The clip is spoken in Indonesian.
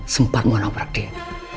sempat mengonfrak dia